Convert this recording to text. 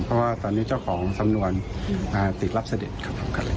เพราะว่าตอนนี้เจ้าของสำนวนติดรับเสด็จครับ